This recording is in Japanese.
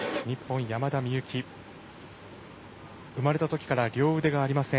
生まれたときから両腕がありません。